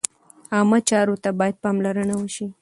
عامه چارو ته باید پاملرنه وشي.